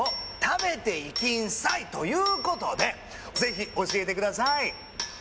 「食べていきんさい！」ということで是非教えてください